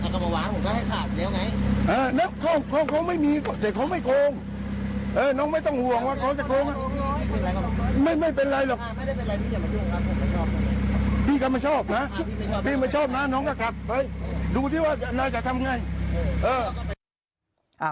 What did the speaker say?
ใครก็มาหวางมันก็ให้ขาดเดี๋ยวไง